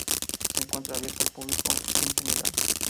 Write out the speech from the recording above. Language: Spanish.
Se encuentra abierto al púbico en general.